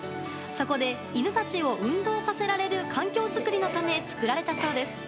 そこで、犬たちを運動させられる環境づくりのため作られたそうです。